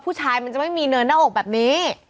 มันจะไม่มีเนินหน้าอกแบบนี้